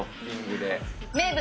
名物！